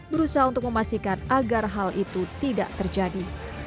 berusaha untuk memastikan agar hal itu tidak terjadi